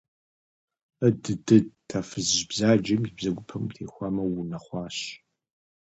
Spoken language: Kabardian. Адыдыд, а фызыжь бзаджэм и бзэгупэм утехуамэ, уунэхъуащ.